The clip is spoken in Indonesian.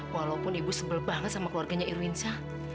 walaupun ibu sebel banget sama keluarganya irwinsa